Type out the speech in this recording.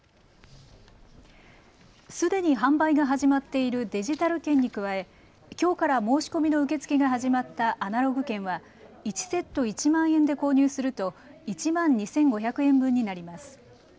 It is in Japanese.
すでに販売が始まっているデジタル券に加えきょうから申し込みの受け付けが始まったアナログ券は１セット１万円で購入すると１万２５００円分になります。